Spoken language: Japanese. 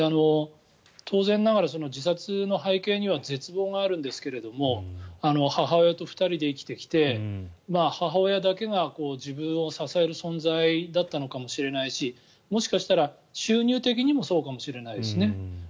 当然ながら自殺の背景には絶望があるんですけど母親と２人で生きてきて母親だけが自分を支える存在だったのかもしれないしもしかしたら収入的にもそうかもしれないですね。